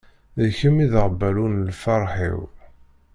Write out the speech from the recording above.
D kemm i d aɣbalu n lferḥ-iw.